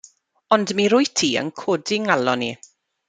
Ond mi rwyt ti yn codi 'nghalon i.